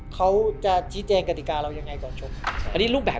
เขาจะจีนแจงกฎิกาเรายังไงก่อนชด